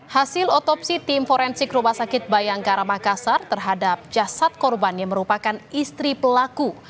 hasil otopsi tim forensik rumah sakit bayangkara makassar terhadap jasad korban yang merupakan istri pelaku